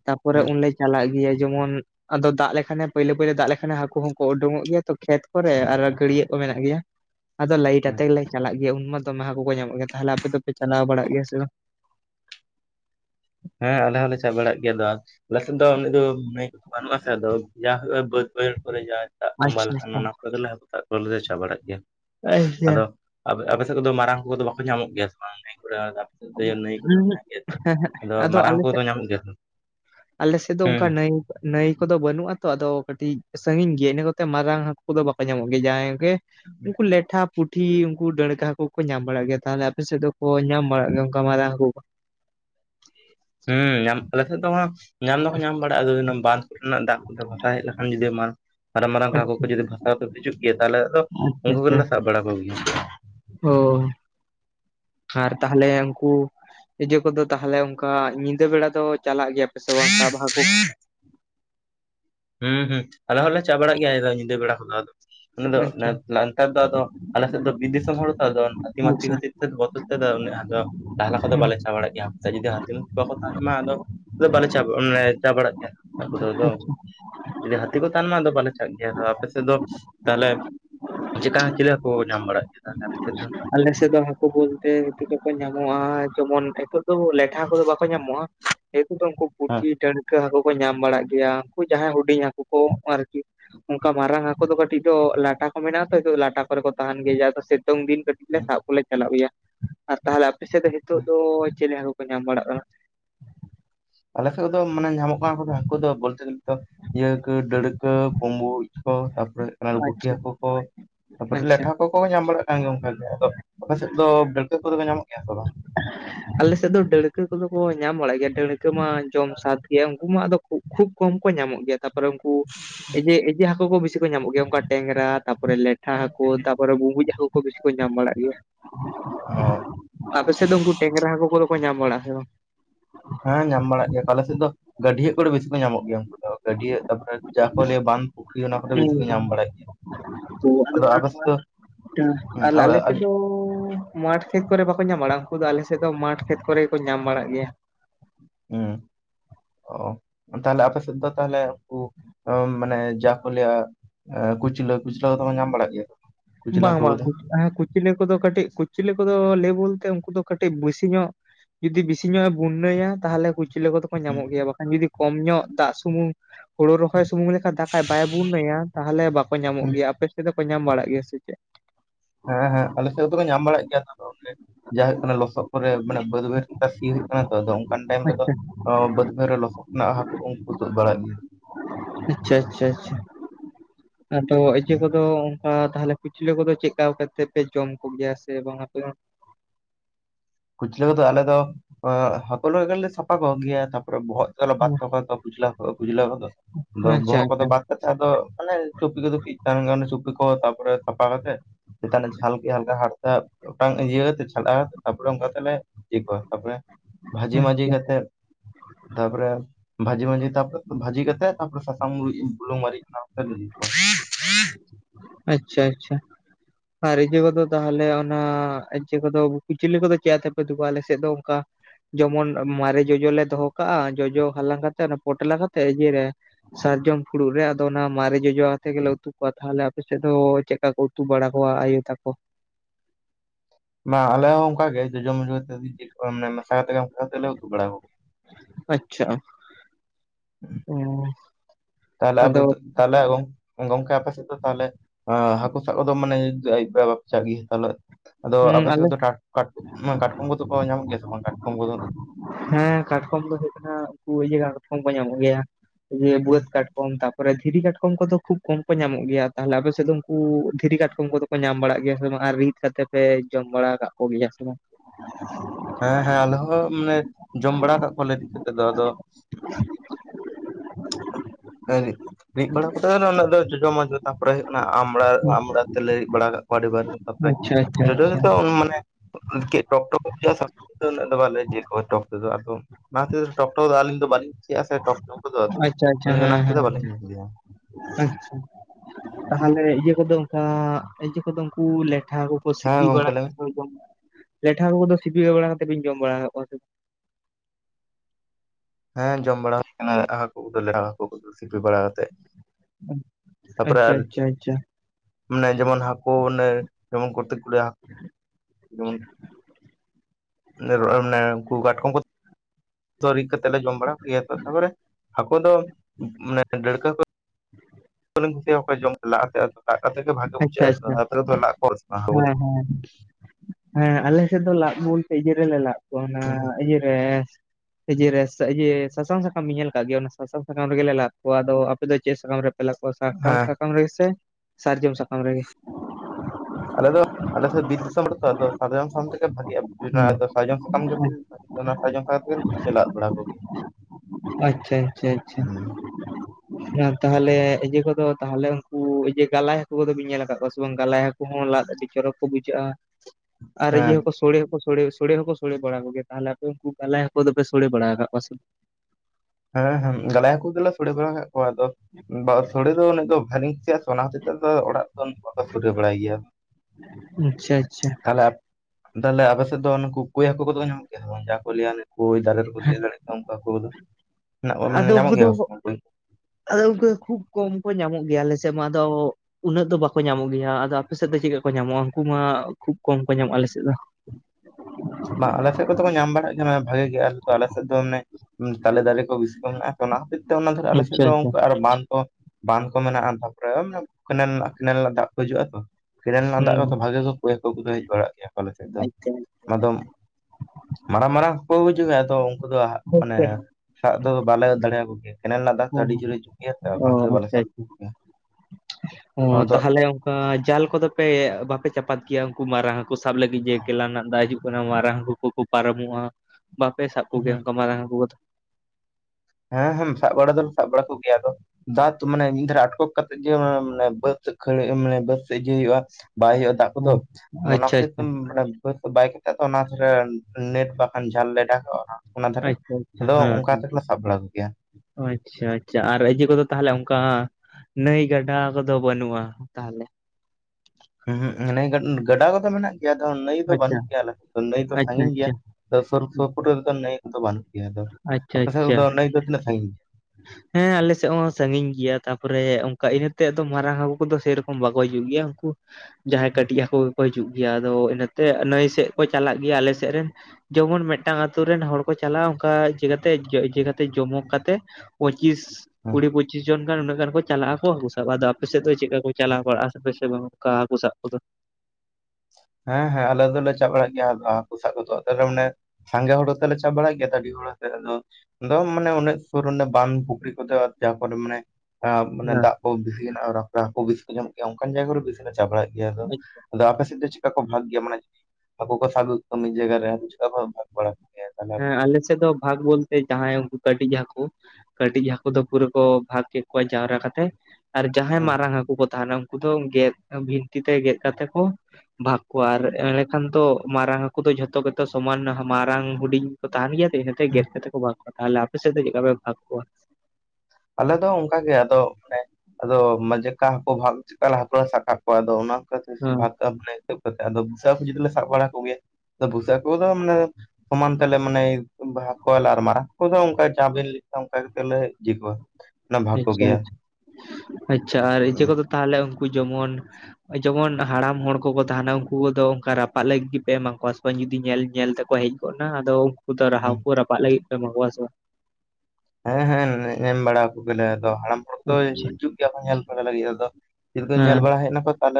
ᱛᱟᱯᱚᱨᱮ ᱦᱩᱸ ᱩᱱᱞᱮ ᱪᱟᱞᱟᱜ ᱜᱮᱭᱟ ᱡᱮᱢᱚᱱᱼᱼ ᱟᱫᱚ ᱫᱟᱜ ᱞᱮᱠᱷᱟᱱᱮ ᱯᱟᱹᱭᱞᱟᱹ ᱯᱟᱹᱭᱞᱟᱹ ᱫᱟᱜ ᱞᱮᱠᱷᱟᱱᱮ ᱦᱟᱹᱠᱩ ᱦᱚᱸᱠᱚ ᱩᱰᱩᱶᱚᱜ ᱜᱮᱭᱟ ᱛᱚ ᱠᱷᱮᱛ ᱠᱚᱨᱮ ᱟᱨ ᱜᱟᱹᱰᱭᱟᱹ ᱠᱚ ᱢᱮᱱᱟᱜ ᱜᱮᱭᱟ᱾ ᱟᱫᱚ ᱞᱟᱭᱤᱴ ᱦᱩᱸ ᱟᱛᱮ ᱜᱮᱞᱮ ᱪᱟᱞᱟᱜ ᱜᱮᱭᱟ ᱩᱱᱢᱟ ᱫᱚᱢᱮ ᱦᱟᱹᱠᱩ ᱠᱚ ᱧᱟᱢᱚᱜ ᱜᱮᱭᱟ ᱛᱟᱦᱚᱞᱮ ᱟᱯᱮ ᱫᱚᱯᱮ ᱪᱟᱞᱟᱣ ᱵᱟᱲᱟᱜ ᱜᱮᱭᱟ ᱥᱮ ᱵᱟᱝ? ᱦᱮᱸ ᱟᱞᱮ ᱦᱚᱸᱞᱮ ᱪᱟᱣ ᱵᱟᱲᱟᱜ ᱜᱮᱭᱟ ᱫᱚ ᱟᱨ᱾ ᱟᱞᱮ ᱥᱮᱫ ᱫᱚ ᱩᱱᱟᱹᱜ ᱫᱚ ᱱᱟᱹᱭ ᱠᱚᱫᱚ ᱵᱟᱹᱱᱩᱜ-ᱟ ᱥᱮ ᱟᱫᱚ ᱡᱟ ᱦᱩᱭᱩᱜ-ᱟ ᱵᱟᱹᱫᱽ ᱵᱟᱹᱭᱦᱟᱹᱲ ᱠᱚᱨᱮ ᱡᱟ ᱫᱟᱜ ᱛᱚᱸᱵᱟ ᱟᱪᱪᱷᱟ ᱞᱮᱠᱷᱟᱱ ᱚᱱᱟ ᱠᱚᱨᱮ ᱜᱮᱞᱮ ᱦᱟᱹᱠᱩ ᱫᱟᱜ ᱠᱚᱞᱮ ᱪᱟ ᱵᱟᱲᱟᱜ ᱜᱮᱭᱟ, ᱟᱪᱪᱷᱟ ᱟᱫᱚ ᱟᱯᱮ ᱟᱯᱮ ᱥᱮᱫ ᱠᱚᱫᱚ ᱢᱟᱨᱟᱝ ᱠᱚᱫᱚ ᱵᱟᱠᱚ ᱧᱟᱢᱚᱜ ᱜᱮᱭᱟ ᱥᱮ ᱵᱟᱝ ᱱᱟᱹᱭ ᱠᱚᱨᱮ ᱫᱚ? ᱥᱮᱫ ᱦᱩᱸ ᱱᱟᱹᱭ ᱦᱩᱸ ᱠᱚᱫᱚ ᱦᱮᱸ ᱢᱮᱱᱟᱜ ᱜᱮᱭᱟ ᱛᱚ ᱦᱮᱸ ᱟᱫᱚ ᱢᱟᱨᱟᱝ ᱟᱞᱮ ᱦᱟᱹᱠᱩ ᱫᱚ ᱥᱮᱫ ᱧᱟᱢᱚᱜ ᱜᱮᱭᱟ ᱥᱮ ᱵᱟᱝ ᱟᱞᱮ ᱥᱮᱫ ᱫᱚ ᱦᱩᱸ ᱚᱱᱠᱟ ᱱᱮ ᱱᱟᱹᱭ ᱱᱟᱹᱭ ᱠᱚᱫᱚ ᱵᱟᱹᱱᱩᱜ-ᱟ ᱛᱚ ᱟᱫᱚ ᱠᱟᱹᱴᱤᱡ ᱥᱟᱹᱜᱤᱧ ᱜᱮᱭᱟ ᱤᱱᱟᱹ ᱠᱚᱛᱮ ᱢᱟᱨᱟᱝ ᱦᱟᱹᱠᱩ ᱠᱚᱫᱚ ᱵᱟᱠᱚ ᱧᱟᱢᱚᱜ ᱜᱮᱭᱟ, ᱡᱟᱦᱟᱸᱭ ᱩᱱᱠᱩ ᱞᱮᱴᱷᱟ ᱯᱩᱴᱷᱤ ᱩᱱᱠᱩ ᱰᱟᱹᱬᱠᱟᱹ ᱦᱟᱹᱠᱩ ᱠᱚ ᱧᱟᱢ ᱵᱟᱲᱟᱜ ᱜᱮᱭᱟ ᱛᱟᱦᱚᱞᱮ ᱟᱯᱮ ᱥᱮᱫ ᱫᱚᱠᱚ ᱧᱟᱢ ᱵᱟᱲᱟᱜ ᱱᱚᱝᱠᱟ ᱢᱟᱨᱟᱝ ᱦᱟᱹᱠᱩ ᱠᱚ? ᱦᱩᱸ ᱧᱟᱢ ᱟᱞᱮ ᱥᱮᱫ ᱫᱚ ᱦᱟᱹᱜ ᱧᱟᱢ ᱫᱚᱠᱚ ᱧᱟᱢ ᱵᱟᱲᱟᱜ-ᱟ ᱵᱟᱸᱫᱷ ᱠᱚᱨᱮᱱᱟᱜ ᱫᱟᱜ ᱠᱚ ᱵᱷᱟᱥᱟᱶ ᱦᱮᱡ ᱞᱮᱠᱷᱟᱱ ᱡᱩᱫᱤ ᱢᱟᱨᱟᱝ ᱢᱟᱨᱟᱝ ᱦᱟᱹᱠᱩ ᱟᱪᱪᱷᱟ ᱠᱚ ᱡᱩᱫᱤ ᱠᱚ ᱵᱷᱟᱥᱟᱶ ᱠᱟᱛᱮ ᱦᱤᱡᱩᱜ ᱜᱮᱭᱟ ᱛᱟᱦᱚᱞᱮ ᱟᱫᱚ ᱟᱪᱪᱷᱟ ᱩᱱᱠᱩ ᱟᱪᱪᱷᱟ, ᱜᱮᱞᱮ ᱥᱟᱵ ᱵᱟᱲᱟ ᱠᱚ ᱜᱮᱭᱟ᱾ ᱚ ᱾ ᱟᱨ ᱛᱟᱦᱚᱞᱮ ᱩᱱᱠᱩ ᱤᱡᱟᱹ ᱠᱚᱫᱚ ᱛᱟᱦᱚᱞᱮ ᱚᱱᱠᱟ ᱧᱤᱫᱟᱹ ᱵᱮᱲᱟ ᱫᱚ ᱪᱟᱞᱟᱜ ᱜᱮᱭᱟ ᱯᱮ ᱥᱮ ᱵᱟᱝ ᱥᱟᱵ ᱦᱟᱹᱠᱩ ᱠᱚ? ᱦᱩᱸ ᱦᱩᱸ ᱟᱞᱮ ᱦᱚᱸᱞᱮ ᱪᱟ ᱵᱟᱲᱟᱜ ᱜᱮᱭᱟ ᱧᱤᱫᱟᱹ ᱵᱮᱲᱟ ᱠᱚᱫᱚ ᱟᱫᱚ ᱚᱱᱟ ᱫᱚ ᱟᱪᱪᱷᱟ ᱱᱮᱛᱟᱨ ᱫᱚ ᱟᱫᱚ ᱟᱞᱮ ᱥᱮᱫ ᱫᱚ ᱵᱤᱨ ᱫᱤᱥᱚᱢ ᱦᱚᱲ ᱛᱚ ᱟᱫᱚ ᱚᱱᱟ ᱛᱮ ᱦᱟᱹᱛᱤ ᱢᱟᱛᱤ ᱟᱪᱪᱷᱟ ᱠᱷᱟᱹᱛᱤᱨ ᱛᱮ ᱵᱚᱛᱚᱨ ᱛᱮ ᱫᱚ ᱩᱱᱟᱹᱜ ᱞᱟᱦᱟ ᱞᱮᱠᱟ ᱫᱚ ᱦᱮᱸ ᱵᱟᱞᱮ ᱪᱟᱞᱟᱜ ᱪᱟᱞᱟᱣ ᱵᱟᱲᱟᱜ ᱜᱮᱭᱟ, ᱚᱫᱚ ᱡᱩᱫᱤ ᱦᱟᱹᱛᱤ ᱢᱟᱛᱤ ᱵᱟᱠᱚ ᱛᱟᱦᱮᱱ ᱢᱟ ᱟᱫᱚ ᱟᱫᱚ ᱵᱟᱞᱮ ᱪᱟ ᱢᱟᱱᱮ ᱪᱟ ᱵᱟᱲᱟᱜ ᱜᱮᱭᱟ ᱟᱫᱚ᱾ ᱡᱩᱫᱤ ᱦᱟᱹᱛᱤ ᱠᱚ ᱛᱟᱦᱮᱱ ᱢᱟ ᱟᱫᱚ ᱵᱟᱞᱮ ᱪᱟᱜ ᱜᱮᱭᱟ ᱟᱫᱚ ᱟᱯᱮ ᱥᱮᱫ ᱫᱚ ᱛᱟᱦᱚᱞᱮ ᱪᱮᱠᱟ ᱪᱮᱞᱮ ᱦᱟᱹᱠᱩ ᱠᱚ ᱧᱟᱢ ᱵᱟᱲᱟᱜ ᱜᱮᱭᱟ ᱛᱟᱦᱚᱞᱮ ᱟᱯᱮ ᱥᱮᱫ ᱫᱚ? ᱟᱞᱮ ᱥᱮᱫ ᱫᱚ ᱦᱟᱹᱠᱩ ᱵᱚᱞᱛᱮ ᱱᱤᱛᱚᱜ ᱫᱚᱠᱚ ᱧᱟᱢᱚᱜ-ᱟ ᱡᱮᱢᱚᱱ ᱱᱤᱛᱚᱜ ᱫᱚ ᱞᱮᱴᱷᱟ ᱦᱟᱹᱠᱩ ᱫᱚ ᱵᱟᱠᱚ ᱧᱟᱢᱚᱜ-ᱟ ᱾ ᱦᱤᱛᱳᱜ ᱫᱚ ᱩᱱᱠᱩ ᱯᱩᱴᱷᱤ ᱦᱮᱸ ᱰᱟᱹᱲᱠᱟᱹ ᱦᱟᱹᱠᱩ ᱠᱚ ᱧᱟᱢ ᱵᱟᱲᱟᱜ ᱜᱮᱭᱟ ᱩᱱᱠᱩ ᱡᱟᱦᱟᱸᱭ ᱦᱩᱰᱤᱧ ᱦᱟᱹᱠᱩ ᱠᱚ ᱟᱨᱠᱤ᱾ ᱚᱱᱠᱟ ᱢᱟᱨᱟᱝ ᱦᱟᱹᱠᱩ ᱫᱚ ᱠᱟᱹᱴᱤᱡ ᱫᱚ ᱞᱟᱴᱟ ᱠᱚ ᱢᱮᱱᱟᱜ-ᱟ ᱛᱚ ᱞᱟᱴᱟ ᱠᱚᱨᱮ ᱠᱚ ᱛᱟᱦᱮᱱ ᱜᱮᱭᱟ ᱡᱟ ᱫᱚ ᱥᱤᱛᱩᱝ ᱫᱤᱱ ᱠᱟᱹᱴᱤᱡ ᱞᱮ ᱥᱟᱵ ᱠᱚᱞᱮ ᱪᱟᱞᱟᱜ ᱜᱮᱭᱟ ᱟᱨ ᱛᱟᱦᱚᱞᱮ ᱟᱯᱮ ᱥᱮᱫ ᱫᱚ ᱱᱤᱛᱚᱜ ᱫᱚ ᱪᱤᱞᱮ ᱦᱟᱹᱠᱩ ᱠᱚ ᱧᱟᱢ ᱵᱟᱲᱟᱜ-ᱟ ᱠᱟᱱᱟ? ᱟᱞᱮ ᱥᱮᱫ ᱢᱟᱱᱮ ᱧᱟᱢᱚᱜ ᱠᱟᱱᱟ ᱠᱚ ᱦᱟᱹᱠᱩ ᱫᱚ ᱵᱚᱞᱛᱮ ᱱᱤᱛᱚᱜ ᱤᱭᱟᱹ ᱠᱚ ᱰᱟᱹᱲᱠᱟᱹ ᱵᱩᱸᱵᱩᱡ ᱾ ᱛᱟᱯᱚᱨᱮ ᱦᱩᱭᱩᱜ ᱠᱟᱱᱟ ᱯᱩᱴᱷᱤ ᱟᱪᱪᱷᱟ ᱦᱟᱹᱠᱩ ᱠᱚ ᱛᱟᱯᱚᱨᱮ ᱟᱪᱪᱷᱟ ᱞᱮᱴᱷᱟ ᱦᱟᱹᱠᱩ ᱠᱚᱠᱚ ᱧᱟᱢ ᱵᱟᱲᱟᱜ ᱠᱟᱱᱟ ᱜᱮᱭᱟ ᱚᱱᱠᱟ ᱜᱮ, ᱟᱫᱚ ᱟᱯᱮ ᱥᱮᱫ ᱫᱚ ᱰᱟᱹᱲᱠᱟᱹ ᱠᱚᱫᱚ ᱠᱚ ᱧᱟᱢᱚᱜ ᱜᱮᱭᱟ ᱥᱮ ᱵᱟᱝ? ᱟᱞᱮ ᱥᱮᱫ ᱫᱚ ᱰᱟᱹᱲᱠᱟᱹ ᱠᱚᱫᱚ ᱠᱚ ᱧᱟᱢ ᱵᱟᱲᱟᱜ ᱜᱮᱭᱟ ᱰᱟᱹᱲᱠᱟᱹ ᱢᱟ ᱡᱚᱢ ᱥᱟᱫ ᱜᱮᱭᱟ ᱾ ᱩᱱᱠᱩ ᱢᱟ ᱠᱷᱩᱵ ᱠᱷᱩᱵ ᱠᱚᱢ ᱠᱚ ᱧᱟᱢᱚᱜ ᱜᱮᱭᱟ ᱛᱟᱯᱚᱨᱮ ᱩᱱᱠᱩ ᱮᱡᱮ ᱮᱡᱮ ᱦᱟᱹᱠᱩ ᱠᱚ ᱵᱮᱥᱤ ᱪᱮᱜ ᱠᱚ ᱧᱟᱢᱚᱜ ᱜᱮᱭᱟ ᱚᱱᱠᱟ ᱴᱮᱝᱽᱨᱟ ᱛᱟᱯᱚᱨ ᱞᱮᱴᱷᱟ ᱦᱟᱹᱠᱩ ᱛᱟᱯᱚᱨᱮ ᱵᱩᱵᱩᱡ ᱦᱟᱹᱠᱩ ᱠᱚ ᱵᱤᱥᱤ ᱠᱚ ᱧᱟᱢ ᱵᱟᱲᱟᱜ ᱟᱯᱮ ᱥᱮᱫ ᱫᱚ ᱩᱱᱠᱩ ᱴᱮᱝᱨᱟ ᱦᱟᱹᱠᱩ ᱠᱚᱫᱚ ᱠᱚ ᱧᱟᱢ ᱵᱟᱲᱟᱜ-ᱟ ᱥᱮ ᱵᱟᱝ? ᱦᱮᱸ ᱧᱟᱢ ᱵᱟᱲᱟᱜ ᱜᱮᱭᱟ ᱠᱚ ᱟᱞᱮ ᱥᱮᱫ ᱫᱚ᱾ ᱜᱟᱹᱰᱭᱟᱹ ᱠᱚᱨᱮ ᱵᱮᱥᱤ ᱠᱚ ᱧᱟᱢᱚᱜ ᱜᱮᱭᱟ ᱩᱱᱠᱩ ᱫᱚ ᱜᱟᱹᱰᱭᱟᱹ ᱛᱥᱯᱚᱨᱮ ᱡᱟᱦᱟ ᱠᱚ ᱞᱮᱭᱟ ᱵᱟᱸᱫᱷ ᱯᱩᱠᱷᱨᱤ ᱚᱱᱟ ᱠᱚᱨᱮ ᱵᱤᱥᱤ ᱵᱟᱝ ᱠᱚ ᱧᱟᱢ ᱵᱟᱲᱟᱜ ᱜᱮᱭᱟ᱾ ᱛᱚ ᱟᱫᱚ ᱟᱯᱮ ᱥᱮᱫ ᱚᱱᱟ ᱫᱚ ᱦᱩᱸ ᱟᱨ ᱟᱵᱮ ᱟᱞᱮ ᱥᱮᱫ ᱟᱵᱮ ᱫᱚᱻ ᱢᱟᱴᱷ ᱠᱷᱮᱛ ᱠᱚᱨᱮ ᱵᱟᱠᱚ ᱧᱟᱢ ᱵᱟᱲᱟᱜ-ᱟ ᱩᱱᱠᱩ ᱫᱚ ᱟᱞᱮ ᱥᱮᱫ ᱫᱚ ᱢᱟᱴᱷ ᱠᱷᱮᱛ ᱠᱚᱨᱮ ᱠᱚ ᱧᱟᱢ ᱵᱟᱲᱟᱜ ᱜᱮᱭᱟ᱾ ᱦᱩᱸ ᱾ ᱚ ᱛᱟᱦᱚᱞᱮ ᱟᱯᱮ ᱥᱮᱫ ᱫᱚ ᱛᱟᱦᱚᱞᱮ ᱩᱱᱠᱩ ᱢᱟᱱᱮ ᱡᱟᱦᱟᱸ ᱠᱚ ᱞᱟᱹᱭᱟ ᱠᱩᱪᱞᱟᱹ ᱠᱩᱪᱞᱟᱹ ᱠᱚᱫᱚ ᱠᱚ ᱧᱟᱢ ᱵᱟᱲᱟᱜ ᱜᱮᱭᱟ ᱠᱚ? ᱵᱟᱝ ᱵᱟᱝ ᱠᱩᱪᱞᱟᱹ ᱠᱚᱫᱚ ᱠᱟᱹᱴᱤᱡ ᱠᱩᱪᱞᱟᱹ ᱠᱚᱫᱚ ᱞᱟᱹᱭ ᱵᱚᱞᱛᱮ ᱩᱱᱠᱩ ᱫᱚ ᱠᱟᱹᱴᱤᱡ ᱵᱮᱥᱤ ᱧᱚᱜ ᱡᱩᱫᱤ ᱵᱮᱥᱤ ᱧᱚᱜ ᱮ ᱵᱳᱱᱱᱟᱹᱭᱟ ᱛᱟᱦᱚᱞᱮ ᱠᱩᱪᱞᱟᱹ ᱠᱚᱫᱚ ᱵᱟᱠᱚ ᱦᱩᱸ ᱧᱟᱢᱚᱜ ᱜᱮᱭᱟ ᱵᱟᱠᱷᱟᱱ ᱡᱩᱫᱤ ᱠᱚᱢ ᱧᱚᱜ ᱫᱟᱜ ᱥᱩᱢᱩᱝ ᱦᱩᱲᱩ ᱨᱚᱦᱚᱭ ᱥᱩᱢᱩᱝ ᱫᱟᱹᱜ ᱠᱷᱟᱭ ᱵᱟᱹᱭ ᱵᱩᱱᱲᱟᱹᱭᱟ ᱛᱟᱦᱚᱞᱮ ᱵᱟᱠᱚ ᱧᱟᱢᱚᱜ ᱜᱮᱭᱟ, ᱟᱯᱮ ᱥᱮᱫ ᱫᱚ ᱠᱚ ᱧᱟᱢ ᱵᱟᱲᱟᱜ ᱜᱮᱭᱟ ᱥᱮ? ᱪᱮᱫ? ᱦᱮᱸ ᱦᱮᱸ ᱟᱞᱮ ᱥᱮᱫ ᱨᱮᱫᱚ ᱠᱚ ᱧᱟᱢ ᱵᱟᱲᱟᱜ ᱜᱮᱭᱟ ᱛᱚᱰᱮ ᱾ ᱡᱟ ᱦᱩᱭᱩᱜ ᱠᱟᱱᱟ ᱞᱚᱥᱚᱫ ᱠᱚᱨᱮ ᱢᱟᱱᱮ ᱵᱟᱹᱫ ᱵᱟᱹᱭᱦᱟᱹᱲ ᱠᱚᱨᱮ ᱥᱤ ᱦᱩᱭᱩᱜ ᱠᱟᱱᱟ ᱛᱚ ᱚᱱᱠᱟᱱ ᱴᱟᱭᱤᱢ ᱨᱮᱫᱚ ᱟᱪᱪᱷᱟ ᱵᱟᱹᱫᱽ ᱵᱟᱹᱭᱦᱟᱹᱲ ᱨᱮ ᱞᱚᱥᱚᱫ ᱠᱷᱚᱱᱟᱜ ᱦᱚᱸ ᱦᱟᱹᱠᱩ ᱩᱱᱠᱩ ᱛᱩᱫ ᱵᱟᱲᱟᱜ ᱜᱮᱭᱟ᱾ ᱟᱪᱪᱷᱟ ᱟᱪᱪᱷᱟ ᱟᱫᱚ ᱤᱭᱟᱹ ᱦᱩᱸ, ᱠᱚᱫᱚ ᱚᱱᱠᱟ ᱛᱟᱦᱚᱞᱮ ᱠᱩᱪᱞᱟᱹ ᱠᱚᱫᱚ ᱪᱮᱫ ᱞᱮᱠᱟ ᱠᱟᱛᱮ ᱯᱮ ᱡᱚᱢ ᱠᱚᱜᱮᱭᱟ ᱥᱮ ᱵᱟᱝ-ᱟ ᱟᱯᱮ ᱫᱚ ᱠᱩᱪᱞᱟᱹ ᱫᱚ ᱟᱞᱮ ᱫᱚ ᱦᱟᱹᱠᱩ ᱞᱮᱠᱟ ᱜᱮᱞᱮ ᱥᱟᱯᱷᱟ ᱠᱚ ᱜᱮᱭᱟ ᱵᱚᱦᱚᱜ ᱫᱚᱞᱮ ᱵᱟᱛ ᱛᱟᱠᱚᱶᱟ ᱛᱚ ᱠᱩᱪᱞᱟᱹ ᱦᱟᱹᱠᱩᱶᱟᱜ ᱠᱚ ᱫᱚ ᱵᱚᱦᱚᱜ ᱠᱚᱫᱚ ᱵᱟᱛ ᱟᱪᱪᱷᱟ ᱟᱫᱚ ᱢᱟᱱᱮ ᱪᱩᱯᱤ ᱠᱚᱫᱚ ᱠᱤ ᱛᱟᱦᱮ ᱪᱩᱯᱤ ᱠᱚ ᱛᱟᱯᱚᱨᱮ ᱥᱟᱯᱷᱟ ᱠᱟᱛᱮᱫ ᱪᱮᱛᱟᱱ ᱨᱮ ᱪᱷᱟᱞ ᱠᱤ ᱦᱟᱞᱠᱟ ᱦᱟᱨᱛᱟ ᱚᱴᱟᱝ ᱤᱭᱟᱹ ᱠᱟᱛᱮ ᱪᱷᱟᱰᱟ ᱠᱟᱛᱮᱜ ᱯᱩᱨᱟᱹ ᱚᱱᱠᱟ ᱠᱟᱛᱮᱜ ᱞᱮ ᱤᱭᱟᱹ ᱠᱚᱣᱟ ᱛᱟᱯᱚᱨᱮ ᱵᱷᱟᱹᱡᱤ ᱢᱟᱹᱡᱤ ᱟᱪᱪᱷᱟ ᱠᱟᱛᱮᱜ ᱛᱟᱯᱚᱨᱮ ᱵᱷᱟᱡᱮ ᱢᱟᱹᱡᱮ ᱛᱟᱯᱚᱨᱮ ᱵᱷᱟᱹᱡᱤ ᱠᱟᱛᱮᱜ ᱛᱟᱯᱚᱨᱮ ᱥᱟᱥᱟᱝ ᱵᱩᱞᱩᱝ ᱢᱟᱹᱨᱤᱡ ᱥᱟᱶᱛᱮ [INAUDIBLE] ᱟᱪᱪᱷᱟ ᱟᱪᱪᱷᱟ ᱟᱨ ᱤᱭᱟ. ᱠᱚᱫᱚ ᱛᱟᱦᱚᱞᱮ ᱚᱱᱟ ᱤᱭᱟ. ᱠᱚᱫᱚ ᱠᱩᱪᱞᱟ. ᱠᱚᱫᱚ ᱪᱮᱫ ᱟᱛᱮᱯᱮ ᱩᱛᱩ ᱠᱚᱣᱟ ᱟᱞᱮᱥᱮᱫ ᱫᱚ ᱚᱱᱠᱟ ᱡᱮᱢᱚᱱ ᱢᱟᱨᱮ ᱡᱚᱡᱚ ᱞᱮ ᱫᱚᱦᱚ ᱠᱟᱜᱼᱟ ᱡᱚᱡᱚ ᱦᱟᱞᱟᱝ ᱠᱟᱛᱮᱜ ᱚᱱᱟ ᱯᱚᱴᱞᱟ ᱠᱟᱛᱮᱜ ᱤᱭᱮ ᱨᱮ ᱥᱟᱨᱡᱚᱢ ᱯᱷᱩᱲᱩᱜ ᱨᱮ ᱟᱫᱚ ᱚᱱᱟ ᱢᱟᱨᱮ ᱡᱚᱡᱚ ᱟᱛᱮ ᱜᱮᱞᱮ ᱩᱛᱩ ᱠᱚᱣᱟ ᱛᱟᱦᱚᱞᱮ ᱟᱯᱮᱥᱮᱫ ᱫᱚ ᱪᱮᱫᱠᱟ ᱠᱚ ᱩᱛᱩ ᱵᱟᱲᱟ ᱠᱚᱣᱟ ᱟᱭᱳ ᱛᱟᱠᱚ? ᱢᱟ ᱟᱞᱮ ᱦᱚᱸ ᱚᱱᱠᱟ ᱜᱮ ᱡᱚᱡᱚ ᱢᱚᱡᱚ ᱟᱛᱮ ᱪᱮᱫ ᱠᱚ ᱢᱮᱥᱟ ᱠᱟᱛᱮᱜ ᱚᱱᱠᱟᱞᱮ ᱩᱛᱩ ᱵᱟᱲᱟ ᱟᱪᱪᱷᱟ ᱦᱮᱸ ᱛᱟᱦᱚᱞᱮ ᱟᱵᱚ ᱫᱚ ᱛᱟᱦᱚᱞᱮ ᱜᱚᱝ ᱜᱚᱝᱠᱮ ᱟᱯᱮ ᱥᱮᱫ ᱫᱚ ᱛᱟᱦᱚᱞᱮ ᱦᱟᱹᱠᱩ ᱥᱟᱵ ᱠᱚᱫᱚ ᱢᱟᱱᱮ ᱟᱹᱭᱩᱵ ᱵᱮᱲᱟ ᱵᱟᱠᱚ [UNINTELLIGIBLE] ᱟᱫᱚ ᱦᱩᱸ ᱟᱯᱮ ᱥᱮᱫ ᱟᱞᱮ ᱴᱟᱴ ᱠᱟᱴ ᱠᱟᱴᱠᱚᱢ ᱠᱚᱫᱚᱠᱚ ᱧᱟᱢᱚᱜ ᱜᱮᱭᱟ ᱥᱮ ᱵᱟᱝ ᱠᱟᱴᱠᱚᱢ ᱠᱚ ᱫᱚ? ᱦᱮᱸ ᱠᱟᱴᱠᱚᱢ ᱫᱚ ᱦᱩᱭᱩᱜ ᱠᱟᱱᱟ ᱩᱱᱠᱩ ᱤᱭᱟ. ᱠᱟᱴᱠᱚᱢ ᱠᱚ ᱧᱟᱢᱚᱜ ᱜᱮᱭᱟ ᱤᱭᱟ. ᱵᱟᱹᱫ ᱠᱟᱴᱠᱚᱢ ᱛᱟᱨᱯᱚᱨᱮ ᱫᱷᱤᱨᱤ ᱠᱟᱴᱠᱚᱢ ᱠᱚᱫᱚ ᱠᱷᱩᱵ ᱠᱚᱢ ᱠᱚ ᱧᱟᱢᱚᱜ ᱜᱮᱭᱟ ᱛᱟᱦᱚᱞᱮ ᱟᱯᱮᱥᱮᱫ ᱫᱚ ᱩᱱᱠᱩ ᱫᱷᱤᱨᱤ ᱠᱟᱴᱠᱚᱢ ᱠᱚᱫᱚ ᱠᱚ ᱧᱟᱢ ᱵᱟᱲᱟᱜ ᱜᱮᱭᱟ ᱥᱮ ᱵᱟᱝ ᱟᱨ ᱨᱤᱫ ᱠᱟᱛᱮ ᱯᱮ ᱡᱚᱢ‌ ᱵᱟᱲᱟ ᱠᱟᱜ ᱠᱚ ᱜᱮᱭᱟ ᱥᱮ ᱵᱟ [INAUDIBLE] ᱦᱮᱸ ᱦᱮᱸ ᱟᱞᱮ ᱦᱚᱸ ᱢᱟᱱᱮ ᱡᱚᱢ ᱵᱟᱲᱟ ᱠᱟᱜ ᱠᱚᱣᱟᱞᱮ ᱨᱤᱫ ᱠᱟᱛᱮᱜ ᱫᱚ ᱟᱫᱚ ᱨᱤᱫ ᱵᱟᱲᱟ ᱠᱟᱛᱮ ᱚᱱᱟ ᱫᱚ ᱡᱚᱡᱚ ᱢᱟᱡᱳ ᱯᱚᱨᱮ ᱦᱩᱭᱩᱜ ᱠᱟᱱᱟ ᱟᱢᱲᱟ ᱟᱢᱲᱟ ᱛᱮᱞᱮ ᱨᱤᱫ ᱵᱟᱲᱟ ᱠᱟᱜ ᱠᱚᱣᱟ ᱟᱹᱰᱤ ᱵᱟᱨ ᱛᱟᱯᱚᱨᱮ ᱟᱪᱪᱷᱟ ᱟᱪᱪᱷᱟ ᱡᱚᱡᱚ ᱟᱪᱪᱷᱟ ᱛᱮᱫᱚ ᱢᱟᱱᱮ [INAUDIBLE] ᱴᱚᱠ ᱴᱚᱠ ᱵᱩᱡᱷᱟ. ᱜ ᱟᱥᱮ ᱚᱱᱟ ᱠᱷᱟᱹᱛᱤᱨ ᱩᱱᱟ. ᱜ ᱫᱚ ᱵᱟᱞᱮ ᱤᱭᱟ. ᱠᱚᱣᱟ ᱴᱚᱠ ᱛᱮᱫᱚ ᱟᱫᱚ ᱚᱱᱟ ᱠᱷᱟᱹᱛᱤᱨ ᱴᱚᱠ ᱴᱚᱠ ᱟᱞᱤᱧ ᱫᱚ ᱵᱟᱞᱤᱧ ᱠᱩᱥᱤ ᱟ ᱥᱮ ᱴᱚᱠ ᱡᱚᱢ ᱠᱚᱫᱚ ᱟᱫᱚ ᱟᱪᱪᱷᱟ ᱟᱪᱪᱷᱟ ᱚᱱᱟ ᱫᱚ ᱚᱱᱟ ᱦᱮᱸ ᱠᱷᱟᱹᱛᱤᱨ ᱦᱮᱸ ᱛᱮ ᱵᱟᱹᱞᱤᱧ ᱤᱫᱤᱭᱟ ᱟᱪᱪᱷᱟ ᱛᱟᱦᱚᱞᱮ ᱤᱭᱟᱹ ᱠᱚᱫᱚ ᱚᱱᱠᱟ ᱤᱭᱟᱹ ᱠᱚᱫᱚ ᱩᱱᱠᱩ ᱞᱮᱴᱷᱟ ᱦᱟᱠᱳ ᱦᱮᱸ ᱥᱤᱯᱤ ᱵᱟᱲᱟ ᱜᱚᱝᱠᱮ ᱞᱟᱹᱭ ᱢᱮ ᱠᱟᱛᱮ ᱡᱚᱢ ᱞᱮᱴᱷᱟ ᱦᱟᱠᱩ ᱠᱚᱫᱚ ᱥᱤᱯᱤ ᱵᱟᱲᱟ ᱠᱟᱛᱮ ᱵᱤᱱ ᱡᱚᱢ ᱵᱟᱲᱟ ᱟᱠᱟᱫ ᱠᱚᱣᱟ ᱥᱮ ᱵᱟᱝ ᱦᱮᱸ ᱡᱚᱢ ᱵᱟᱲᱟ ᱦᱩᱭ ᱠᱟᱱᱟ ᱦᱟᱹᱠᱩ ᱠᱚᱫᱚ ᱞᱮᱴᱷᱟ ᱦᱟᱹᱠᱩ ᱠᱚᱫᱚ ᱥᱤᱯᱤ ᱵᱟᱲᱟ ᱠᱟᱛᱮᱜ ᱟᱪᱪᱷᱟ ᱟᱪᱪᱷᱟ ᱟᱪᱪᱷᱟ ᱢᱟᱱᱮ ᱡᱮᱢᱚᱱ ᱦᱟᱹᱠᱩ ᱚᱱᱮ ᱡᱮᱢᱚᱱ ᱠᱚᱛᱮᱠ ᱜᱩᱞᱳ ᱡᱮᱢᱚᱱ ᱢᱟᱱᱮ ᱩᱱᱠᱩ ᱠᱟᱴᱠᱚᱢ ᱠᱚ ᱨᱤᱫ ᱠᱟᱛᱮᱜ ᱞᱮ ᱡᱚᱢ ᱵᱟᱲᱟ ᱠᱚ ᱜᱮᱭᱟ ᱛᱟᱨᱯᱚᱨᱮ ᱦᱟᱹᱠᱩ ᱫᱚ ᱢᱟᱱᱮ ᱰᱟᱹᱲᱠᱟᱹ ᱦᱟᱠᱳ [INAUDIBLE] ᱡᱚᱢ ᱞᱟᱜ ᱟᱛᱮ ᱟᱫᱚ ᱞᱟᱜ ᱠᱟᱛᱮ ᱜᱮ ᱵᱷᱟᱜᱮ ᱵᱩᱡᱟᱹ ᱟᱪᱪᱷᱟ ᱟ ᱟᱪᱪᱷᱟ ᱚᱱᱟ ᱠᱷᱟᱹᱛᱤᱨ [INAUDIBLE] ᱦᱮᱸ ᱦᱮᱸ ᱦᱮᱸ ᱟᱞᱮ ᱥᱮᱫ ᱫᱚ ᱞᱟᱫ ᱵᱚᱞᱛᱮ ᱤᱭᱟᱹ ᱨᱮᱞᱮ ᱞᱟᱫ ᱠᱚᱣᱟ ᱚᱱᱟ ᱤᱭᱟᱹ ᱨᱮ ᱤᱭᱟ. ᱨᱮ ᱤᱭᱟᱹ ᱥᱟᱥᱟᱝ ᱥᱟᱠᱟᱢ ᱵᱮᱱ ᱧᱮᱞ ᱠᱟᱜ ᱜᱮ ᱚᱱᱟ ᱥᱟᱥᱟᱝ ᱥᱟᱠᱟᱢ ᱨᱮᱜᱮᱞᱮ ᱞᱟᱫ ᱠᱚᱣᱟ ᱟᱫᱚ ᱟᱯᱮ ᱫᱚ ᱪᱮᱫ ᱥᱟᱠᱟᱢ ᱨᱮᱯᱮ? ᱞᱟᱫ ᱠᱚᱣᱟ ᱥᱟᱥᱟᱝ ᱦᱮᱸ ᱥᱟᱠᱟᱢ ᱨᱮᱜᱮ ᱥᱮ ᱥᱟᱨᱡᱚᱢ ᱥᱟᱠᱟᱢ ᱨᱮᱜᱮ? ᱟᱞᱮ ᱫᱚ ᱟᱞᱮ ᱥᱮᱫ ᱵᱤᱨ ᱫᱤᱥᱚᱢ ᱨᱮᱛᱚ ᱟᱫᱚ ᱥᱟᱨᱡᱚᱢ ᱥᱟᱠᱟᱢ ᱵᱷᱟᱜᱮᱜᱼᱟ ᱥᱟᱨᱡᱚᱢ ᱥᱟᱠᱟᱢ ᱜᱮ ᱢᱟᱱᱮ ᱥᱟᱨᱡᱚᱢ ᱥᱟᱠᱟᱢ ᱛᱮᱜᱮ ᱞᱟᱫ ᱵᱟᱲᱟ ᱠᱚᱜᱮᱭᱟ ᱟᱪᱪᱷᱟ ᱟᱪᱪᱷᱟ ᱟᱪᱪᱷᱟ ᱦᱮᱸ ᱛᱟᱦᱚᱞᱮ ᱤᱭᱟᱹ ᱠᱚᱫᱚ ᱛᱟᱦᱚᱞᱮ ᱩᱱᱠᱩ ᱤᱭᱟᱹ ᱜᱟᱞᱟᱭ ᱦᱟᱹᱠᱩ ᱠᱚᱫᱚ ᱵᱤᱱ ᱧᱮᱞ ᱠᱟᱫ ᱠᱚᱣᱟ ᱥᱮ ᱵᱟᱝ ᱜᱟᱞᱟᱭ ᱦᱟᱹᱠᱩ? ᱩᱱᱠᱩ ᱦᱚᱸ ᱞᱟᱫ ᱟᱹᱰᱤ ᱪᱚᱨᱚᱠ ᱠᱚ ᱵᱩᱡᱷᱟᱹᱜᱼᱟ᱾ ᱟᱨ ᱤᱭᱟᱹ ᱦᱮᱸ ᱦᱚᱸᱠᱚ ᱥᱚᱲᱮ ᱦᱚᱸᱠᱚ ᱥᱚᱲᱮ, ᱥᱚᱲᱮ ᱦᱚᱸᱠᱚ ᱥᱳᱲᱮ ᱵᱟᱲᱟ ᱠᱚᱜᱭᱟ᱾ ᱛᱟᱦᱚᱞᱮ ᱟᱯᱮ ᱩᱱᱠᱩ ᱜᱟᱞᱟᱭ ᱦᱟᱹ ᱠᱚ ᱫᱚᱯᱮ ᱥᱚᱲᱮ ᱵᱟᱲᱟ ᱠᱟᱫ ᱠᱚᱣᱟ ᱥᱮ? ᱦᱮᱸ ᱦᱮᱸ, ᱜᱟᱞᱟᱭ ᱦᱟᱹᱠᱩ ᱜᱮᱞᱮ ᱥᱚᱲᱮ ᱵᱟᱲᱟ ᱠᱟᱫ ᱠᱚᱣᱟ ᱾ᱟᱫᱚ ᱥᱚᱲᱮ ᱫᱚ ᱩᱱᱟᱹᱜ ᱫᱚ ᱵᱷᱟᱹᱞᱤ ᱪᱮ ᱚᱱᱟ ᱦᱚᱛᱮᱡ ᱛᱮ ᱟᱫᱚ ᱚᱲᱟᱜ [INAUDIBLE] ᱵᱟᱠᱩ ᱥᱚᱲᱮ ᱵᱟᱲᱟᱭ ᱜᱮᱭᱟ᱾ ᱟᱪᱪᱷᱟ ᱟᱪᱪᱷᱟ ᱛᱟᱦᱚᱞᱮ ᱛᱟᱦᱚᱞᱮ ᱟᱯᱮ ᱥᱮᱫ ᱫᱚ ᱱᱩᱠᱩ ᱠᱳᱭ ᱦᱟᱠᱩ ᱠᱚᱫᱚ ᱠᱚ ᱧᱟᱢ ᱜᱮᱭᱟ ᱵᱟᱝ? ᱡᱟᱦᱟ ᱠᱚ ᱞᱟᱹᱭᱟ ᱦᱟᱱᱮ ᱠᱳᱭ ᱫᱟᱨᱮ ᱨᱮᱠᱚ ᱫᱮᱡ ᱫᱟᱲᱮᱭᱟᱜ ᱠᱚᱣᱟ ᱩᱱᱠᱩ ᱦᱟᱹᱠᱩ ᱠᱚᱫᱚ? ᱟᱫᱚ ᱧᱟᱢᱚᱜ ᱩᱱᱠᱩ ᱫᱚ, ᱜᱮᱭᱟ ᱥᱮ ᱵᱟᱝ ᱠᱳᱭ ᱟᱫᱚ ᱩᱱᱠᱩ ᱫᱚ ᱠᱷᱩᱵ ᱠᱚᱢ ᱠᱚ ᱧᱟᱢᱚᱜ ᱜᱮᱭᱟ ᱟᱞᱮ ᱥᱮ ᱢᱟ ᱫᱚ ᱩᱱᱟᱹᱜ ᱫᱚ ᱵᱟᱠᱚ ᱧᱟᱢᱚᱜ ᱜᱮᱭᱟ, ᱟᱫᱚ ᱟᱯᱮ ᱥᱮᱫ ᱫᱚ ᱪᱮᱫ ᱠᱟ ᱠᱚ ᱧᱟᱢᱚᱜᱼᱟ? ᱩᱱᱠᱩ ᱢᱟ ᱠᱷᱩᱵ ᱠᱚᱢ ᱠᱚ ᱧᱟᱢᱚᱜᱼᱟ ᱟᱞᱮᱥᱮᱫ ᱫᱚ᱾ ᱵᱟᱝ ᱟᱞᱮ ᱥᱮᱫ ᱠᱚᱫᱚ ᱠᱚ ᱧᱟᱢ ᱵᱟᱲᱟᱜ ᱜᱮᱭᱟ ᱵᱷᱟᱜᱤ ᱜᱮᱭᱟ ᱟᱞᱮ ᱥᱮᱫ ᱫᱚ ᱢᱟᱱᱮ ᱛᱟᱞᱮ ᱫᱟᱨᱮ ᱠᱚ ᱵᱮᱥᱤ ᱠᱚ ᱢᱮᱱᱟᱜᱼᱟ ᱛᱚ ᱚᱱᱟ ᱠᱷᱚᱛᱤᱨ ᱛᱮ ᱚᱱᱟ ᱫᱟᱨᱮ ᱟᱞᱮ ᱥᱮᱫ ᱟᱪᱪᱷᱟ ᱫᱚ ᱟᱪᱪᱷᱟ ᱟᱨ ᱵᱟᱸᱫ ᱠᱚ ᱵᱟᱸᱫᱷ ᱠᱚ ᱢᱮᱱᱟᱜᱼᱟ, ᱛᱟᱨᱯᱚᱨᱮ ᱠᱮᱱᱮᱞ ᱠᱮᱱᱮᱞ ᱨᱮᱱᱟᱜ ᱫᱟᱜ ᱠᱚ ᱦᱤᱡᱩᱜᱼᱟ ᱛᱚ᱾ ᱠᱮᱱᱮᱞ ᱨᱮᱱᱟᱜ ᱫᱟᱜ ᱦᱮᱸ ᱨᱮᱫᱚ ᱵᱷᱟᱜᱤ ᱜᱮ ᱠᱳᱭ ᱦᱟᱹᱠᱩ ᱠᱚᱫᱚ ᱦᱮᱡ ᱵᱟᱲᱟᱜ ᱜᱮᱭᱟ ᱠᱚ ᱟᱞᱮ ᱥᱮᱫ ᱫᱚ᱾ ᱟᱪᱪᱷᱟ ᱟᱫᱚᱢ, ᱢᱟᱨᱟᱝ ᱢᱟᱨᱟᱝ ᱠᱚ ᱦᱤᱡᱩᱜᱼᱟ ᱟᱫᱚ ᱩᱱᱠᱩ ᱫᱚ ᱢᱟᱱᱮ ᱦᱳᱭᱥᱮ ᱦᱮᱸ ᱥᱟᱵ ᱫᱚ ᱵᱟᱞᱮ ᱫᱟᱲᱮᱭᱟ ᱠᱚ ᱜᱮᱭᱟ᱾ ᱠᱮᱱᱮᱞ ᱨᱮᱱᱟᱜ ᱫᱟᱜᱽ ᱫᱚ ᱟᱹᱰᱤ ᱡᱳᱨᱮ ᱦᱤᱡᱩᱜ ᱜᱮᱭᱟ ᱚᱱᱟ ᱛᱚ ᱚ ᱚᱱᱟ ᱠᱷᱟᱹᱛᱤᱨ ᱛᱮ ᱵᱟᱞᱮ ᱟᱪᱪᱷᱟ ᱥᱟᱵ ᱟᱪᱪᱷᱟ ᱚ [INAUDIBLE] ᱟᱫᱚ ᱛᱟᱦᱚᱞᱮ ᱚᱱᱠᱟ ᱡᱟᱞ ᱠᱚᱫᱚ ᱯᱮ ᱵᱟᱯᱮ ᱪᱟᱯᱟᱫ ᱜᱮᱭᱟ ᱩᱱᱠᱩ ᱢᱟᱨᱟᱝ ᱦᱟᱹᱠᱩ ᱥᱟᱵ ᱞᱟᱹᱜᱤᱫ ᱡᱮ ᱠᱮᱞᱟ ᱨᱮᱱᱟᱜ ᱫᱟᱜ ᱦᱤᱡᱩᱜ ᱚᱱᱟ ᱢᱟᱨᱟᱝ ᱦᱟᱹᱠᱩ ᱠᱚᱠᱚ ᱯᱟᱨᱚᱢᱚᱜᱼᱟ, ᱵᱟᱯᱮ ᱥᱟᱵ ᱠᱚᱜᱮᱭᱟ ᱦᱩᱸ ᱚᱱᱠᱟ ᱢᱟᱨᱟᱝ ᱦᱟᱹᱠᱩ ᱠᱚᱫᱚ? ᱦᱮᱸ ᱦᱮᱸ, ᱥᱟᱵ ᱵᱟᱲᱟ ᱫᱚᱞᱮ ᱥᱟᱵ ᱵᱟᱲᱟ ᱠᱚᱜᱮᱭᱟ ᱟᱫᱚ ᱫᱟᱸᱛ ᱢᱟᱱᱮ ᱢᱤᱜ ᱫᱷᱟᱨᱮ ᱟᱴᱠᱚᱠ ᱠᱟᱛᱮᱜ ᱜᱮ ᱵᱟᱹᱫ ᱠᱷᱟᱹᱲ ᱢᱟᱱᱮ ᱵᱟᱹᱫᱽ ᱥᱮ ᱤᱫᱤᱭ ᱦᱩᱭᱩᱜᱼᱟ, ᱵᱟᱭ ᱦᱩᱭᱩᱜᱼᱟ ᱫᱟᱜ ᱠᱚᱫᱚ, ᱦᱮᱸ ᱚᱱᱟ ᱟᱪᱪᱷᱟ ᱠᱷᱟᱹᱛᱤᱨ ᱛᱮ ᱟᱪᱪᱷᱟ ᱢᱟᱱᱮ ᱵᱟᱹᱫ ᱠᱚ ᱵᱟᱹᱭ ᱠᱟᱛᱮᱜ ᱚᱱᱟ ᱫᱷᱟᱨᱮᱱ ᱱᱮᱴ ᱵᱟᱠᱷᱟᱱ ᱡᱦᱟᱞ ᱞᱮ ᱚᱰᱟᱜ ᱚᱱᱟ ᱫᱷᱟᱨᱮ ᱟᱪᱪᱷᱟ ᱟᱪᱪᱷᱟ ᱟᱫᱚ ᱦᱮᱸ ᱚᱱᱠᱟ ᱛᱮᱜᱞᱮ ᱥᱟᱵ ᱵᱟᱲᱟ ᱠᱚᱜᱮᱭᱟ᱾ ᱟᱪᱪᱷᱟ ᱟᱪᱪᱷᱟ, ᱟᱨ ᱮᱡᱮ ᱠᱚᱫᱚ ᱛᱟᱦᱚᱞᱮ ᱚᱱᱠᱟ ᱱᱟᱹᱭ ᱜᱟᱰᱟ ᱠᱚᱫᱚ ᱵᱟᱹᱱᱩᱜᱼᱟ ᱛᱟᱦᱚᱞᱮ? ᱩᱸ ᱦᱩ ᱱᱟᱹᱭ ᱜᱟᱰᱟ ᱠᱚᱫᱚ ᱢᱮᱱᱟᱜ ᱜᱮᱭᱟ ᱫᱷᱚᱱ, ᱱᱟᱭ ᱫᱚ ᱟᱪᱪᱷᱟ ᱵᱟᱹᱱᱩᱜ ᱜᱮᱭᱟ ᱟᱞᱮ ᱥᱮᱡ ᱫᱚ ᱱᱟᱹᱭ ᱛᱚ ᱟᱪᱪᱷᱟ ᱥᱟᱺᱜᱤᱧ ᱜᱮᱭᱟ ᱟᱪᱪᱷᱟ ᱥᱚᱨ ᱥᱩᱯᱩᱨ ᱱᱟᱹᱭ ᱠᱚᱫᱚ ᱵᱟᱱᱩᱜ ᱜᱮᱭᱟ ᱟᱫᱚ᱾ ᱟᱪᱪᱷᱟ ᱟᱯᱮ ᱥᱮᱡ ᱟᱪᱪᱷᱟ ᱫᱚ ᱱᱟᱹᱭ ᱫᱚ ᱛᱤᱱᱟᱜ ᱥᱟᱝᱜᱤᱧ? ᱦᱮᱸ ᱟᱞᱮ ᱥᱮᱫ ᱦᱚᱸ ᱥᱟᱺᱜᱤᱧ ᱜᱮᱭᱟ, ᱛᱟᱯᱚᱨᱮ ᱚᱱᱠᱟ ᱤᱱᱟᱹᱛᱮ ᱫᱚ ᱢᱟᱨᱟᱝ ᱦᱟᱹᱠᱩ ᱠᱚᱫᱚ ᱥᱮᱨᱚᱠᱚᱢ ᱵᱟᱠᱚ ᱦᱤᱡᱩᱜ ᱜᱮᱭᱟ ᱩᱱᱠᱩ ᱡᱟᱦᱟᱸᱭ ᱠᱟᱹᱴᱤᱡ ᱦᱟᱹᱠᱩ ᱜᱮᱠᱚ ᱦᱤᱡᱩᱜ ᱜᱮᱭᱟ᱾ ᱟᱫᱚ ᱤᱱᱟᱹᱛᱮ ᱱᱟᱹᱭ ᱥᱮᱫ ᱠᱚ ᱪᱟᱞᱟᱜ ᱜᱮᱭᱟ ᱟᱞᱮ ᱥᱮᱫ ᱨᱮᱱ ᱡᱮᱢᱚᱱ ᱢᱤᱫᱴᱟᱝ ᱟᱛᱩ ᱨᱮᱱ ᱦᱚᱲ ᱠᱚ ᱪᱟᱞᱟᱜᱼᱟ ᱚᱱᱠᱟ ᱡᱮ ᱤᱭᱟᱹ ᱠᱟᱛᱮ ᱡᱚᱢᱚᱠ ᱠᱟᱛᱮ ᱯᱚᱸᱪᱤᱥ, ᱠᱩᱲᱤ ᱯᱚᱸᱪᱤᱥ ᱡᱚᱱ ᱜᱟᱱ ᱩᱱᱟᱹᱜ ᱜᱟᱱ ᱠᱚ ᱪᱟᱞᱟᱜᱼᱟ ᱠᱚ ᱦᱟᱹᱠᱩ ᱥᱟᱵ ᱾ᱟᱫᱚ ᱟᱯᱮ ᱥᱮᱫ ᱫᱚ ᱪᱮᱫᱠᱟ ᱠᱚ ᱪᱟᱞᱟᱣ ᱵᱟᱲᱟᱜᱼᱟ ᱥᱮ ᱯᱮ ᱥᱮ ᱵᱟᱝ ᱠᱟ ᱦᱟᱹᱠᱩ ᱥᱟᱵ ᱠᱚᱫᱚ? ᱦᱮᱸ ᱦᱮᱸ, ᱟᱞᱮ ᱫᱚᱞᱮ ᱪᱟᱜ ᱵᱟᱲᱟᱜ ᱜᱮᱭᱟ ᱦᱟᱹᱠᱩ ᱥᱟᱵ ᱠᱚᱫᱚ ᱾ [INAUDIBLE] ᱥᱟᱸᱜᱮ ᱦᱚᱲ ᱛᱮᱞᱮ ᱪᱟᱜ ᱵᱟᱲᱟ ᱟᱹᱰᱤ ᱦᱚᱲ ᱛᱚ ᱟᱫᱚ ᱟᱫᱚ ᱢᱟᱱᱮ ᱩᱱᱟᱹᱜ ᱥᱩᱨ ᱵᱟᱢ ᱯᱩᱠᱷᱨᱤᱤ ᱠᱚᱫᱚ ᱡᱟᱦᱟᱸ ᱠᱚᱨᱮ ᱢᱟᱱᱮ ᱫᱟᱜ ᱠᱚ ᱵᱤᱥᱤ [UNINTELLIGIBLE] ᱵᱮᱥᱤ ᱠᱚ ᱧᱟᱢᱚᱜ ᱜᱮᱭᱟ ᱚᱱᱠᱟᱱ ᱡᱟᱭᱜᱟ ᱨᱮᱨᱮ ᱵᱤᱥᱤ ᱪᱟ ᱵᱟᱲᱟᱭ ᱜᱮᱭᱟ ᱟᱫᱚ ᱟᱫᱚ ᱟᱯᱮ ᱥᱮᱫ ᱫᱚ ᱪᱤᱠᱠᱟ ᱠᱚ ᱵᱷᱟᱜᱽ ᱜᱮᱭᱟ ᱢᱟᱱᱮ ᱦᱟᱹᱠᱩ ᱠᱚ ᱥᱟᱜ [INAUDIBLE] [INAUDIBLE] ᱢᱤ ᱡᱟᱭᱜᱟ ᱨᱮ ᱦᱟᱠᱩ ᱪᱤᱠᱠᱟ ᱠᱚ ᱵᱷᱟᱜᱽ ᱵᱟᱲᱟᱜ? ᱦᱮᱸ ᱟᱞᱮ ᱥᱮᱫ ᱫᱚ ᱵᱷᱟᱜ ᱵᱚᱞ ᱡᱟᱦᱟᱸᱭ ᱩᱱᱠᱩ ᱠᱟᱹᱴᱤᱡ ᱦᱟᱹᱠᱩ ᱠᱟᱹᱴᱤᱡ ᱦᱟᱹᱠᱩ ᱫᱚ ᱯᱩᱨᱟᱹ ᱠᱚ ᱵᱷᱟᱜᱽ ᱠᱮᱜ ᱠᱚᱣᱟ ᱡᱟᱣᱨᱟ ᱠᱟᱛᱮᱜ ᱟᱨ ᱡᱟᱦᱟᱸᱭ ᱢᱟᱨᱟᱝ ᱦᱟᱹᱠᱩ ᱠᱚ ᱛᱟᱦᱮᱱᱟ ᱩᱱᱠᱩ ᱫᱚ ᱜᱮᱫ ᱵᱷᱤᱱᱛᱤ ᱛᱮ ᱜᱮᱫ ᱠᱟᱛᱮ ᱠᱚ ᱵᱷᱟᱜᱽ ᱠᱚᱣᱟ ᱟᱨ ᱮᱱᱮᱠᱷᱟᱱ ᱫᱚ ᱢᱟᱨᱟᱝ ᱦᱟᱹᱠᱩ ᱫᱚ ᱡᱷᱚᱛᱚ ᱜᱮᱛᱚ ᱥᱚᱢᱟᱱ ᱢᱟᱨᱟᱝ ᱦᱩᱰᱤᱧ ᱠᱚ ᱛᱟᱦᱮᱱ ᱜᱮᱭᱟ ᱜᱮᱫ ᱠᱟᱛᱮ ᱠᱚ ᱵᱷᱟᱜᱽ ᱠᱚᱣᱟ ᱾ᱛᱟᱦᱚᱞᱮ ᱟᱯᱮ ᱥᱮᱫ ᱫᱚ ᱪᱮᱫ ᱞᱮᱠᱟ ᱯᱮ ᱵᱷᱟᱜᱽ ᱠᱚᱣᱟ? ᱟᱞᱮ ᱫᱚ ᱚᱱᱠᱟᱜᱮ ᱟᱫᱚ ᱟᱱᱮ ᱟᱫᱚ ᱡᱮᱠ ᱠᱟ ᱦᱟᱹᱠᱩ ᱵᱷᱟᱜ ᱪᱮᱜ ᱠᱟᱞᱮ ᱦᱟᱹᱠᱩ ᱥᱟᱵ ᱟᱫᱚ ᱚᱱᱠᱟᱛᱮ [INAUDIBLE] ᱦᱚᱸ ᱵᱷᱟᱜ ᱦᱤᱥᱟᱹᱵ ᱠᱟᱛᱮᱫ ᱟᱫᱚ ᱵᱩᱥᱟᱟᱹᱠᱩ ᱡᱩᱫᱤᱮ ᱥᱟᱵ ᱵᱟᱲᱟ ᱠᱚᱜᱮᱭᱟ ᱟᱫᱚ ᱵᱩᱥᱟ ᱦᱟᱠᱩ ᱫᱚ ᱢᱟᱱᱮ ᱥᱚᱢᱟᱱ ᱛᱮᱞᱮ ᱢᱟᱱᱮ ᱵᱷᱟᱜᱷ ᱠᱚᱣᱟ ᱟᱨ ᱢᱟᱨᱟᱝ ᱠᱚ ᱫᱚ ᱚᱱᱠᱟ ᱡᱟᱵᱤᱱ ᱚᱝᱠᱟ ᱠᱟᱛᱮ ᱞᱮ ᱤᱭᱟᱹ ᱠᱚᱣᱟ᱾ ᱚᱱᱟ ᱵᱷᱟᱜᱽ ᱟᱪᱪᱷᱟ ᱠᱚᱜᱮᱭᱟ ᱟᱪᱪᱷᱟ ᱟᱪᱪᱷᱟ ᱟᱨᱤᱭᱟᱹ ᱠᱚᱫᱚ ᱛᱟᱦᱚᱞᱮ ᱩᱱᱠᱩ ᱡᱚᱢᱚᱱ ᱡᱮᱢᱚᱱ ᱦᱟᱲᱟᱢ ᱦᱚᱲ ᱠᱚᱠᱚ ᱛᱟᱦᱮᱱᱟ ᱩᱝᱠᱩ ᱠᱚᱫᱚ ᱚᱝᱠᱟ ᱨᱟᱯᱟᱜ ᱞᱟᱹᱜᱤᱫ ᱜᱮᱯᱮ ᱮᱢᱟ ᱠᱚᱣᱟ ᱥᱮ ᱵᱟᱝ ᱡᱩᱫᱤ ᱧᱮᱞ ᱧᱮᱞ ᱛᱮᱠᱚ ᱦᱮᱡ ᱟᱫᱚ ᱩᱱᱠᱩ ᱫᱚ ᱨᱟᱦᱟ ᱠᱚ ᱨᱟᱯᱟᱜ ᱞᱟᱹᱜᱤᱫ ᱯᱮ ᱮᱢᱟᱜᱠᱚᱣᱟ ᱦᱮᱸ ᱥᱮᱵᱟ? ᱦᱮᱸ ᱦᱮᱸ ᱮᱢ ᱵᱟᱲᱟ ᱠᱚ ᱜᱮᱞᱮ ᱟᱫᱚ ᱦᱟᱲᱟᱢ ᱦᱚᱲ ᱦᱤᱡᱩᱜ ᱜᱮᱭᱟ ᱠᱚ ᱧᱮᱞ ᱵᱟᱲᱟ ᱞᱟᱹᱜᱤᱫ ᱟᱫᱚ ᱡᱤᱫᱤ ᱧᱮᱞ ᱵᱟᱲᱟ ᱦᱮᱡ ᱱᱟᱠᱚ ᱛᱟᱦᱚᱞᱮ